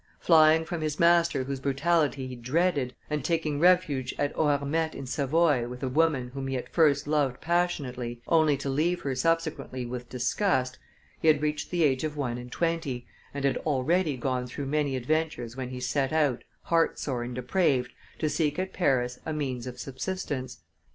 Flying from his master whose brutality he dreaded, and taking refuge at Oharmettes in Savoy with a woman whom he at first loved passionately, only to leave her subsequently with disgust, he had reached the age of one and twenty, and had already gone through many adventures when he set out, heart sore and depraved, to seek at Paris a means of subsistence.